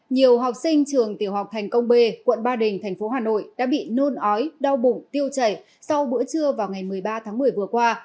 nhiều học sinh trường tiểu học thành công b quận ba đình thành phố hà nội đã bị nôn ói đau bụng tiêu chảy sau bữa trưa vào ngày một mươi ba tháng một mươi vừa qua